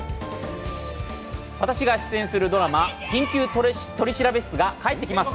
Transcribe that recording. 私が出演するドラマ「緊急取調室」が帰ってきます。